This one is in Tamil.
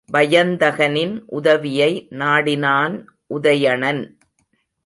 வயந்தகனின் உதவியை நாடினான் உதயணன்.